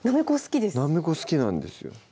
なめこ好きなんですよ